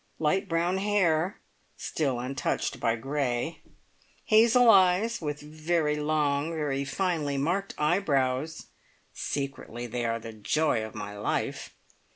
Light brown hair, "still untouched by grey," hazel eyes with very long, very finely marked eyebrows (secretly they are the joy of my life!)